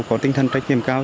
có tinh thần trách nhiệm cao